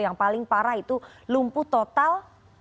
yang paling parah itu lumpuh total